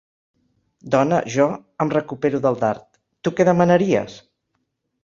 Dona, jo —em recupero del dard—, tu què demanaries?